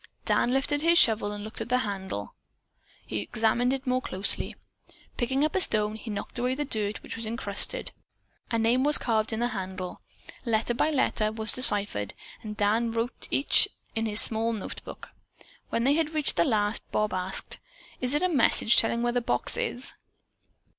Dan lifted his shovel and looked at the handle. Then he examined it more closely. Picking up a stone, he knocked away the dirt with which it was crusted. A name was carved in the handle. Letter by letter was deciphered and Dan wrote each in his small notebook. When they had reached the last, Bob asked: "Is it a message telling where the box is?"